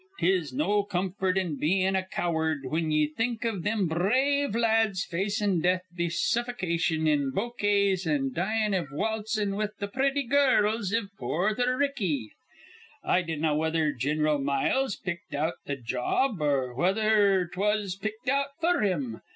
'Tis no comfort in bein' a cow'rd whin ye think iv thim br rave la ads facin' death be suffication in bokays an' dyin' iv waltzin' with th' pretty girls iv Porther Ricky. "I dinnaw whether Gin'ral Miles picked out th' job or whether 'twas picked out f'r him.